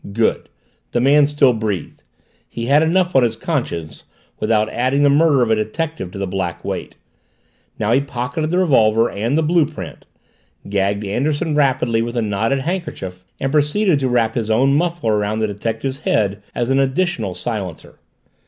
Good the man still breathed; he had enough on his conscience without adding the murder of a detective to the black weight. Now he pocketed the revolver and the blue print gagged Anderson rapidly with a knotted handkerchief and proceeded to wrap his own muffler around the detective's head as an additional silencer.